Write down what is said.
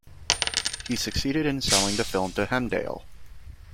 He succeeded in selling the film to Hemdale.